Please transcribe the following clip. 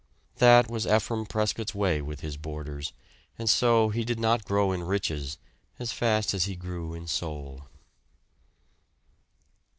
That was Ephraim Prescott's way with his boarders; and so he did not grow in riches as fast as he grew in soul.